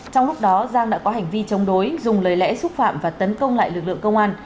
trong lúc đó giang đã có hành vi chống đối dùng lời lẽ xúc phạm và tấn công lại lực lượng công an